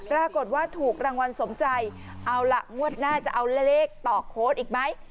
ปรากฏว่าถูกรางวัลสมใจเอาล่ะงวดหน้าจะเอาเลขต่อโค้ดอีกไหม